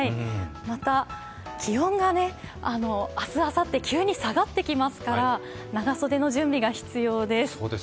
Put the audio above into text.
また、気温が明日、あさって、急に下がってきますから長袖の準備が必要です。